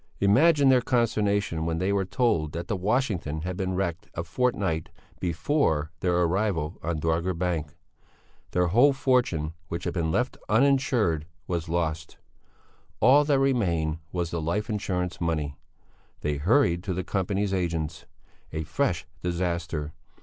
Imagine their consternation when they were told that the Washington had been wrecked a fortnight before their arrival on Dogger Bank; their whole fortune, which had been left uninsured, was lost. All that remained was the life insurance money. They hurried to the Company's agents. A fresh disaster!